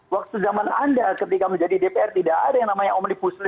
waktu zaman anda ketika menjadi dpr tidak ada yang namanya omnibus law